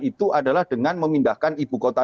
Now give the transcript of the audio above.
itu adalah dengan memindahkan ibu kota